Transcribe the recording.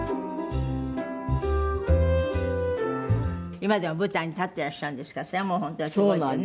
今でも舞台に立っていらっしゃるんですからそれはもう本当にすごい事で。